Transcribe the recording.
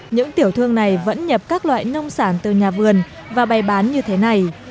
những tiểu thương này vẫn nhập các loại nông sản từ nhà vườn và bày bán như thế này